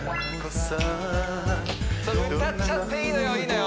歌っちゃっていいのよいいのよ